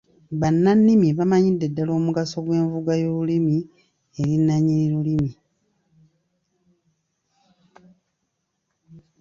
Bannannimi bamanyidde ddala omugaso gw’envuga y’olulimi eri nnannyini lulimi.